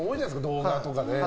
動画とかで。